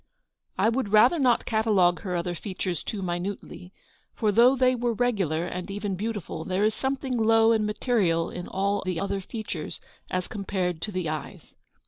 I would rather not catalogue her other features too minutely; for though they were regular, and even beautiful, there is some thing low and material in all the other features as compared to the eyes.